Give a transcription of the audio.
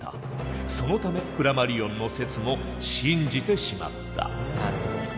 そのためフラマリオンの説も信じてしまった。